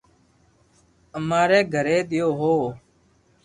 امري گھري تيوي ھو